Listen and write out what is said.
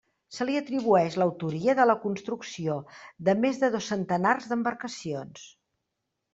Se li atribueix l'autoria de la construcció de més de dos centenars d'embarcacions.